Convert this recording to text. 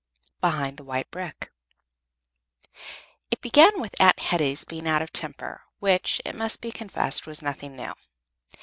BEHIND THE WHITE BRICK It began with Aunt Hetty's being out of temper, which, it must be confessed, was nothing new.